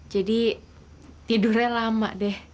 jadi tidurnya lama deh